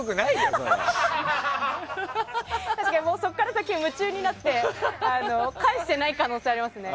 確かにそこから先は夢中になって返していない可能性がありますね。